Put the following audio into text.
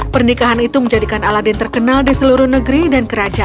pernikahan itu menjadikan aladin terkenal di seluruh negeri dan kerajaan